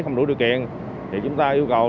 không đủ điều kiện thì chúng ta yêu cầu